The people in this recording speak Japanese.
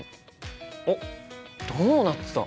おっドーナツだ！